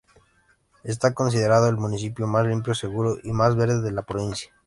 Está considerado el municipio más limpio, seguro y más verde de la provincia.